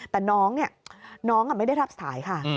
แต่น้องเนี่ยน้องไม่ได้รับสายค่ะ